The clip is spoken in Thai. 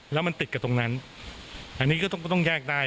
แล้วมันติดกับตรงนั้นอันนี้ก็ต้องแยกได้